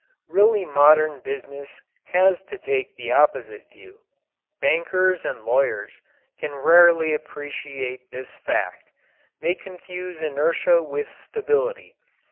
Really modern business has to take the opposite view. Bankers and lawyers can rarely appreciate this fact. They confuse inertia with stability.